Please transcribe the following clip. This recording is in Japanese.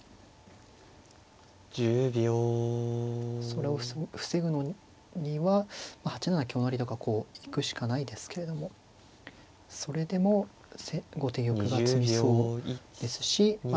それを防ぐのには８七香成とかこう行くしかないですけれどもそれでも後手玉が詰みそうですしま